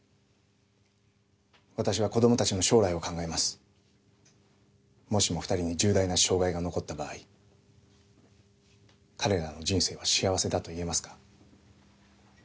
私は子どもたちの将来を考えますもしも二人に重大な障害が残った場合彼らの人生は幸せだと言えますか？